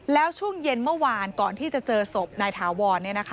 แล้วช่วงเย็นเมื่อวานก่อนที่จะเจอศพนายถาวร